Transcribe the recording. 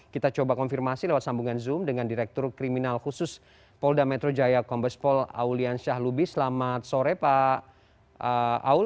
kita coba konfirmasi lewat sambungan zoom dengan direktur kriminal khusus polda metro jaya kombespol aulian syahlubi selamat sore pak aul